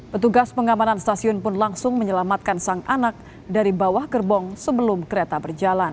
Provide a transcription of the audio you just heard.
petugas pengamanan stasiun pun langsung menyelamatkan sang anak dari bawah gerbong sebelum kereta berjalan